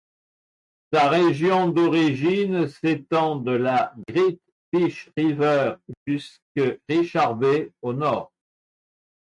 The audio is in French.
Sa région d'origine s'étend de la Great Fish River jusque Richards Bay au nord.